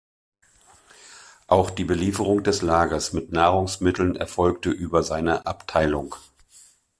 Auch die Belieferung des Lagers mit Nahrungsmitteln erfolgte über seine Abteilung.